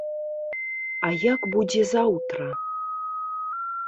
А як будзе заўтра?